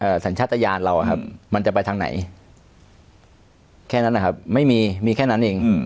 สัญชาติยานเราอะครับมันจะไปทางไหนแค่นั้นนะครับไม่มีมีแค่นั้นเองอืม